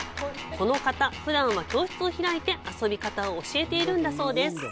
この方、ふだんは教室を開いて遊び方を教えているんだそうです。